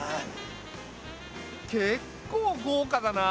結構豪華だな！